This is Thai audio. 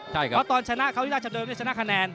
เพราะตอนชนะเขาที่ร่าจัดเติบจะชนะคะแนน